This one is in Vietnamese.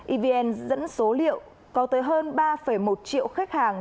evn dẫn số liệu có tới hơn ba một triệu khách hàng